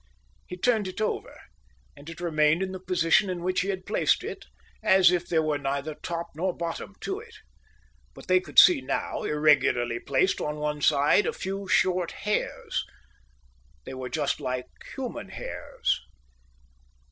He turned it over, and it remained in the position in which he had placed it, as if there were neither top nor bottom to it. But they could see now, irregularly placed on one side, a few short hairs. They were just like human hairs.